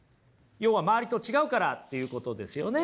要は周りと違うからっていうことですよね。